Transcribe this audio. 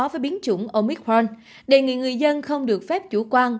với biến chủng omicron đề nghị người dân không được phép chủ quan